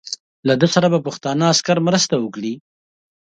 له ده سره به پښتنو عسکرو مرسته وکړي.